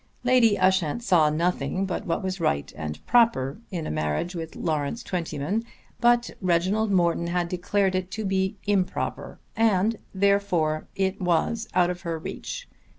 Lady Ushant saw nothing but what was right and proper in a marriage with Lawrence Twentyman, but Reginald Morton had declared it to be improper, and therefore it was out of her reach.